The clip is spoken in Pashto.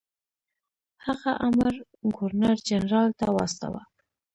هغه امر ګورنر جنرال ته واستاوه.